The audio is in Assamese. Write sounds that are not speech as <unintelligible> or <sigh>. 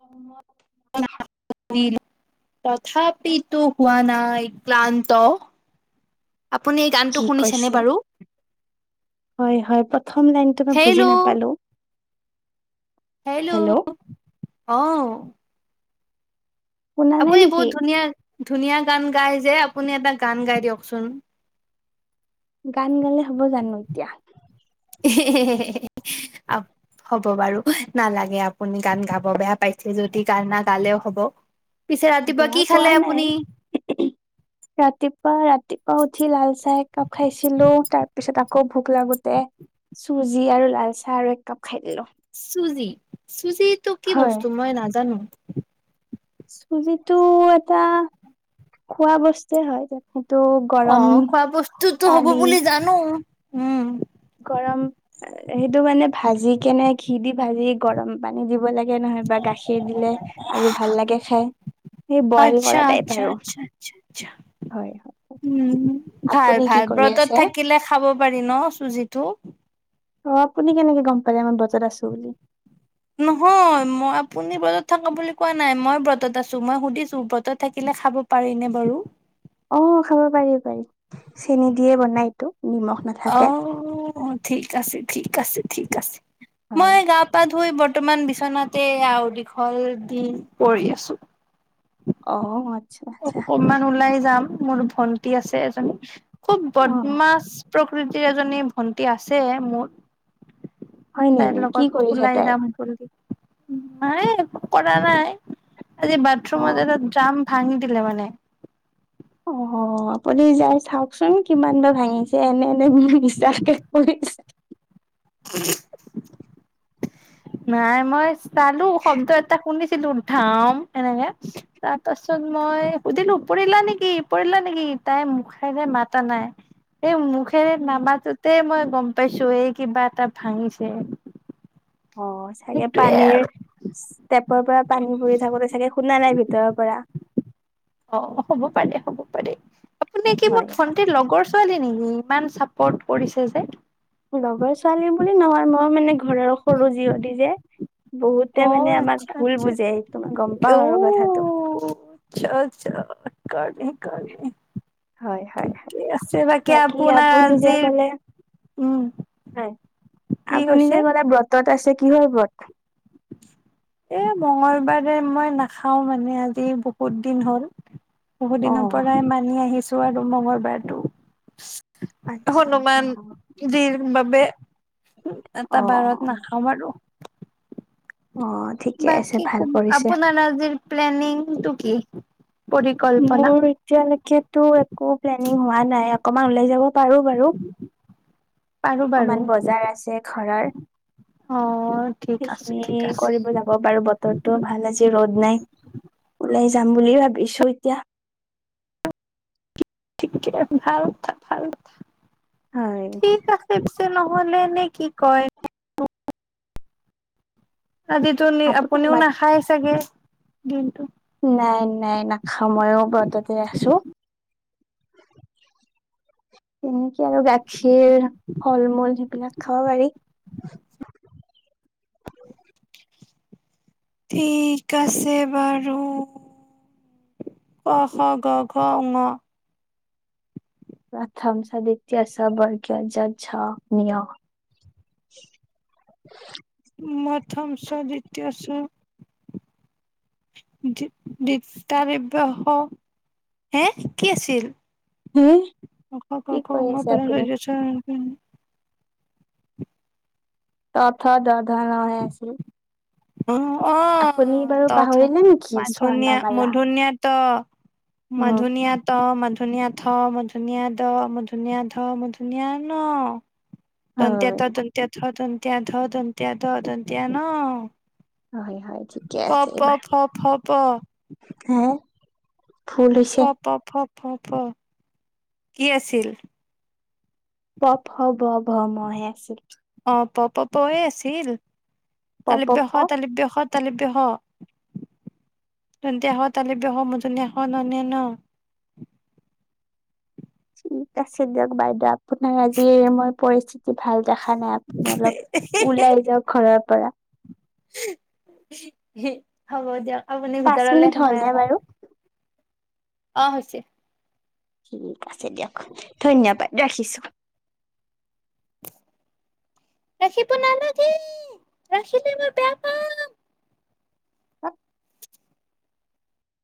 অ <inaudible> তথাপিতো হোৱা নাই ক্লান্ত। আপুনি এই গানটো কি শুনিছেনে কৈছে? বাৰু হয়- হয়। প্ৰথম লাইনটো মই হেল্ল' বুজি নাপালো। হেল্ল'। অও। শুনা নাই আপুনি নেকি? বহুত ধুনীয়া ধুনীয়া গান গাই যে আপুনি এটা গান গাই দিয়কচোন। গান গালে হ'ব জানো ইতিয়া? <unintelligible> হ'ব বাৰু, নালাগে আপুনি গান গাব, বেয়া পাইছে যদি গান নাগালেও হ'ব। পিছে ৰাতিপুৱা বেয়া কি খালে পোৱা আপুনি নাই ৰাতিপুৱা - ৰাতিপুৱা উঠি লাল চাহ একাপ খাইছিলো তাৰ পিছত আপ ক <unintelligible> ভোক লাগোতে চুজি আৰু লালচাহ আৰু এককাপ খাই দিলো। চুজি, <unintelligible> চুজিটো <unintelligible> কি হয়। বস্তু মই নাজানো। চুজিটো এটা খোৱা বস্তুৱে হয় দিয়ক। অ' খোৱা বস্তুতো হ'ব পানী বুলি জানো। উম। গৰম, সেইটো মানে ভাজি কেনে ঘিদি ভাজি গৰমপানী দিব ল <unintelligible> নহয় বা গাখীৰ দিলে আৰু ভাল লাগে খাই সেই বইল আচ্ছা কৰা তাইপ আচ্ছা আৰু আচ্ছা আচ্ছা আচ্ছা হয়- হয়, উম ভাল আপুনি কি ভাল কৰি আছে? ত <unintelligible> অ' আপুনি কেনেকে গম পালে মই ব নহয় মই আপুনি বেলেগ থকা বুলি কোৱা নাই মই ব্ৰতত আছো মই সুধিছো ব্ৰতত থাকিলে খাব পাৰি নে বাৰু? অ খাব পাৰি-পাৰি চেনী দিয়ে বনাইটো। অ ঠিক আছে ঠিক আছে ঠিক আছে হয়। মই গা পা ধুই বৰ্ত তমান বিচনাতে আও দীঘল দিন পৰি আছোঁ অ <inaudible> অকণমান ওলায় যাম মোৰো ভণ্টী আছে এজনী খুব অ বদমাছ প্ৰকৃতিৰ এজনী ভন্টী আছে মোৰ হয় তাইৰ নেকি কি লগত কৰিছে ওলাই তাই? যাম বুলি মায়ে একো কৰা নাই আজি বাথৰুম অ এটা তাত জাম ভাঙি দিলে মানে অ আপুনি যায় চাওকচোন কিমান বাৰ ভাঙিছে এনে নে বুলি মিছা <inaudible> কে কৰি দিছে <unintelligible> নাই মই তালো শব্দ এটা শুনিছ তিলুন ঠাম এনেকে তাত চত মই সুধিলো পৰিলা নেকি পৰিলা নেকি তাইৰ মুখেৰে মাতা নাই সেই মুখ মুখেৰে নামাটোতেই মই গম পাইছো এই কিবা এটা ভাঙিছে অ চাগে সেইটোয়ে পানীৰ আৰু ষ্টেপ ওপৰৰ পৰা পানী পৰি থাকোতে চাগে শুনা নাই ভিতৰৰ পৰা অ হ'ব পাৰে হ'ব পাৰে আপুনি কি হয় মোৰ হয় ভণ্টিৰ লগৰ ছোৱালী নেকি ইমান চাপৰ্ট কৰিছে যে লগৰ ছোৱালী বুলি নহয় মই মানে ঘৰৰ সৰু জীয়ৰী যে অ বহুতে মানে আমাক আচ্ছা ভুল আচ্ছা বুজে সেইটো মই গম অ পাওঁ আৰু কথাটো কাণে কাণে হয়-হয়-হয় বাকি আপোনাৰ আপুনি যে আজিৰ কলে উম হয় কি আপুনি কৈছে যে কলে ব্ৰতত আছে কি হয় বত এ মঙলবাৰে মই নাখাও মানে আজি বহুত দিন হ'ল। বহু দিনৰ অ', পৰাই মানি আহিছো যোৱা মংগল বাৰটো আচ্ছা আচ্ছা হনুমান অ', জিৰ বাবে অ', এটা বাৰত অ', নাখাম আৰু। অ', ঠিকে আছে বাকি ভাল ক কৰিছে। আপোনাৰ আজিৰ প্লেনিঙটো কি? পৰিকল্পনা মোৰ এতিয়ালৈকেটো একো প্লেনিং হোৱা নাই অকমান ওলাই যাব বাৰু বাৰু পাৰো বাৰু অকমান বজাৰ আছে ঘৰৰ। অ ঠিক আছে সেইখিনি ঠিক আছে কৰিব যাব পাৰো বতৰটো ভাল আজি ৰ'দ নাই। ওলাই যাম বুলি ভাবিছো তিয়া ঠিকে ভাল থা ভাল থা। হয় নহলে নে কি কয় আজিতো আপোনাৰ মাত আপুনিও নাখায় চাগে দিনটো নাই নাই নাখাওঁ ময়ো ব্ৰততে আছো। উম কি আৰু গাখীৰ ফল-মূল সেইবিলাক খাব পাৰি। ঠিক আছে বাৰু ক খ গ ঘ ঙ। প্ৰথম চ দ্বিতীয় ছ বৰ্গীয় য ঝ নিয়। মথম চ দ্বিতীয় ছ। দি-দিস্কাৰি ব্ৰহ হে কি আছিল? হে ক খ কি গ ঘ কৈ উঙ আছে পথম আপুনি চ দ্বিতীয়া ছ <unintelligible> উম ত থ দ ৰ ৰ হৈ আছিল অ অ আপুনি ত বাৰু থ পাহৰিলে নেকি মাধুনীয়া স্বৰ্ণমালা? মধুনীয়া ত উম মাধুনিয়া ত মান মধুনীয়া ঠ মধুনীয়া ড মধুনীয়া ধ মধুনীয়া ণ। দন্তিয়া ত হয় দন্তিয়া থ দন দন্তিয়া ধ দন্তীয়া দ দন্তিয়া ন হয় হয় ঠিকে প আছে প এইবাৰ। ফ ফ প হে ভুল প হৈছে প ফ ফ ফ কি আছিল? প ফ ব ভ ম হে আছিল অ প প পয়ে আছিল প শ প প শত শ স শ ষ ণ ঠিক আছে দিয়ক। বাই দক আপোনাৰ আজি মই পৰিচিত ভাল দেখা নাই আপুনি অলপ ওলাই যাঁ‌ওক ঘৰৰ পৰা হ'ব দিয়ক। আপুনি পাঁচ ভিতৰলে মিনিট সোমাই হ'লনে আহক বাৰু? অ' হৈছে। ঠিক আছে দিয়ক। ধন্যবাদ ৰাখিছো। ৰাখিব নালাগে ৰাখিলে মই বেয়া পাম। হক